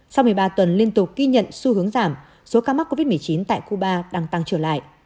sau một mươi ba tuần liên tục ghi nhận xu hướng giảm số ca mắc covid một mươi chín tại cuba đang tăng trở lại